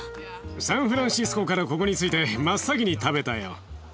サンフランシスコからここに着いて真っ先に食べたよ。